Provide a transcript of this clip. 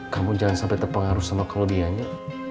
kamu jangan sampai terpengaruh sama kelebihannya